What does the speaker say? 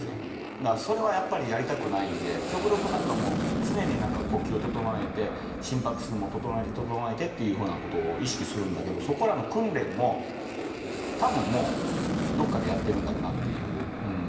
だからそれはやっぱりやりたくないんで、極力なんかもう、常になんか呼吸を整えて、心拍数も整えて整えてっていうことを意識するんだけど、そこらの訓練も、たぶんもう、どっかでやってるんだろうなっていう。